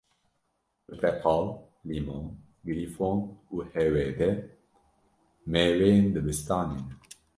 Pirteqal, lîmon, grîfon û hwd. mêweyên dibistanê ne.